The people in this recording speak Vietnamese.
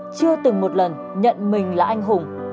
chưa từng một lần nhận mình là anh hùng